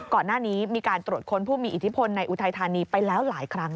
ก่อนหน้านี้มีการตรวจค้นผู้มีอิทธิพลในอุทัยธานีไปแล้วหลายครั้ง